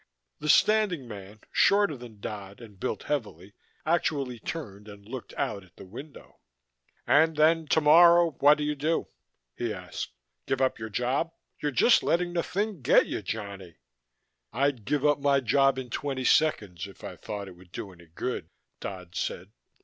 The standing man, shorter than Dodd and built heavily, actually turned and looked out at the window. "And then tomorrow what do you do?" he asked. "Give up your job? You're just letting the thing get you, Johnny." "I'd give up my job in twenty seconds if I thought it would do any good," Dodd said.